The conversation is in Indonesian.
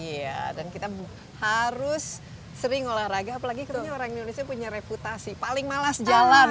iya dan kita harus sering olahraga apalagi katanya orang indonesia punya reputasi paling malas jalan